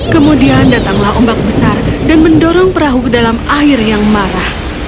kemudian datanglah ombak besar dan mendorong perahu ke dalam air yang marah